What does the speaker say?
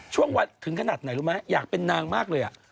วัดถึงขนาดไหนรู้ไหมอยากเป็นนางมากเลย